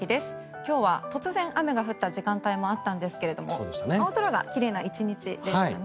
今日は突然雨が降った時間帯もあったんですけれども青空が奇麗な１日でしたね。